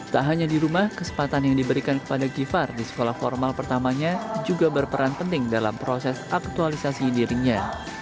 tak hanya di rumah kesempatan yang diberikan kepada givhar di sekolah formal pertamanya juga berperan penting dalam proses aktualisasi dirinya